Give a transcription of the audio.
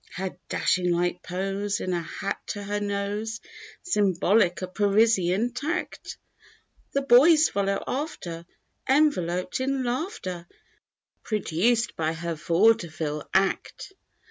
Her dashing like pose. In a hat to her nose. Symbolic of Parisian tact— The boys follow after. Enveloped in laughter. Produced by her vaudeville act.